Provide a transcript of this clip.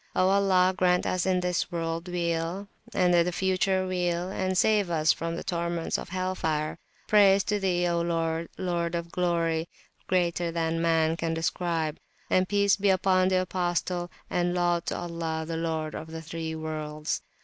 O Allah, grant us in this World Weal, and in the future Weal, and save us from the torments of Hell fire! Praise to Thee, O Lord, Lord of Glory, greater than Man can describe! and Peace be upon the Apostle, and Laud to Allah, the Lord of the (three) Worlds.